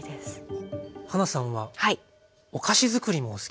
はなさんはお菓子づくりもお好きだと。